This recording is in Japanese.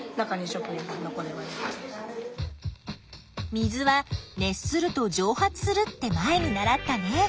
水は熱すると蒸発するって前に習ったね。